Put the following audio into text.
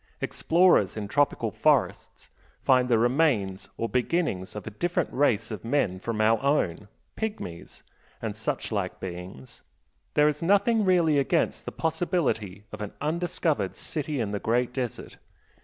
Explorers in tropical forests find the remains or beginnings of a different race of men from our own pygmies, and such like beings there is nothing really against the possibility of an undiscovered City in the Great Desert.